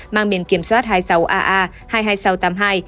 mang biển kiểm soát hai mươi sáu aa hai mươi hai nghìn sáu trăm tám mươi hai